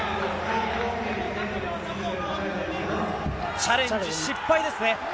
チャレンジ失敗です。